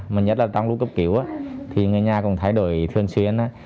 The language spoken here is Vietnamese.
mà nhất là trong lúc cấp cứu thì người nhà cũng thay đổi thường xuyên